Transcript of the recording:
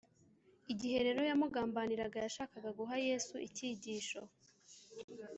igihe rero yamugambaniraga, yashakaga guha yesu icyigisho